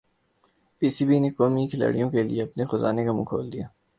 پی C B نے قومی کھلاڑیوں کیلئے اپنے خزانے کا منہ کھول دیا